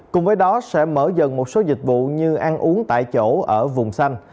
cùng với đó sẽ mở dần một số dịch vụ như ăn uống tại chỗ ở vùng xanh